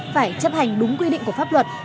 phải chấp hành đúng quy định của pháp luật